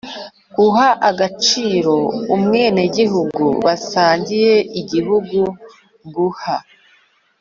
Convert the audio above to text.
Guha agaciro umwenegihugu basangiye igihugu guha